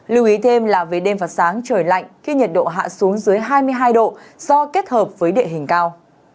lưu ý thêm là về đêm và sáng trời lạnh khi nhiệt độ hạ xuống dưới hai mươi hai độ do kết hợp với địa hình cao